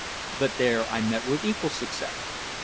But there I met with equal success.